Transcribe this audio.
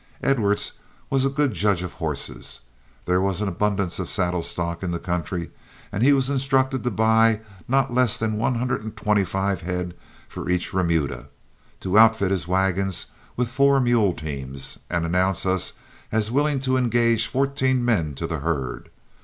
Edwards was a good judge of horses, there was an abundance of saddle stock in the country, and he was instructed to buy not less than one hundred and twenty five head for each remuda, to outfit his wagons with four mule teams, and announce us as willing to engage fourteen men to the herd.